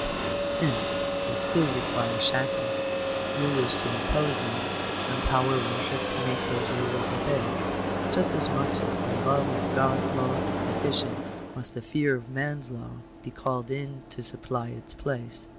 Hence we still require shackles ; rulers to impose them ; and power worship to make those rulers obeyed. Just as much as the love of God's law is deficient, must the fear of man's law be called in to supply its place.